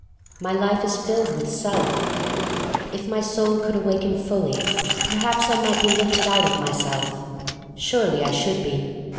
My life is filled with self. If my soul could awaken fully per haps I might be lifted out of myself — surely I should be.